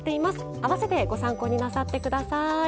併せてご参考になさって下さい。